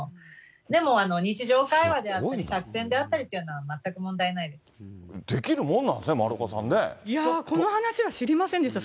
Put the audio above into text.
でも日常会話であったり、作戦であったりというのは、全く問題なできるもんなんですね、いや、その話は知りませんでした。